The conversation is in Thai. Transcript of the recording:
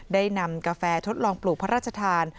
ได้นำกาแฟทดลองปลูกพระราชทาน